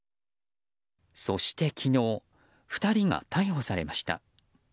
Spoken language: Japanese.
そして昨日２人が逮捕されました。